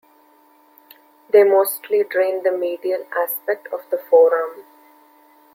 They mostly drain the medial aspect of the forearm.